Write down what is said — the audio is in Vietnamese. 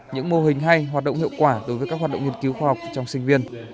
những mô hình hay hoạt động hiệu quả đối với các hoạt động nghiên cứu khoa học trong sinh viên